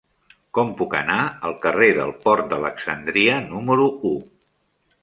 Com puc anar al carrer del Port d'Alexandria número u?